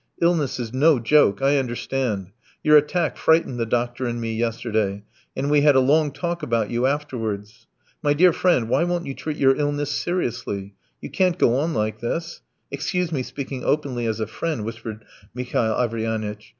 Illness is no joke, I understand. Your attack frightened the doctor and me yesterday, and we had a long talk about you afterwards. My dear friend, why won't you treat your illness seriously? You can't go on like this .... Excuse me speaking openly as a friend," whispered Mihail Averyanitch.